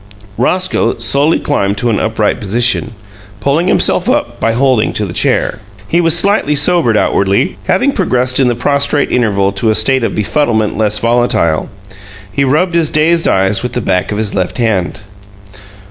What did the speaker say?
Roscoe slowly climbed to an upright position, pulling himself up by holding to the chair. He was slightly sobered outwardly, having progressed in the prostrate interval to a state of befuddlement less volatile. He rubbed his dazed eyes with the back of his left hand.